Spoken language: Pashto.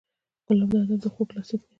ګلاب د ادب خوږ لاسلیک دی.